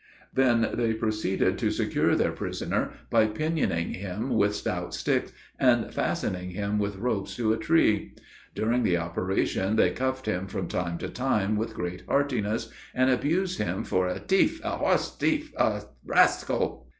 They then proceeded to secure their prisoner by pinioning him with stout sticks, and fastening him with ropes to a tree. During the operation they cuffed him from time to time with great heartiness, and abused him for a "tief! a hoss steal! a rascal!"